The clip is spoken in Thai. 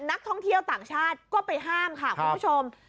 นักท่องเที่ยวต่างชาติก็ไปห้ามค่ะคุณผู้ชม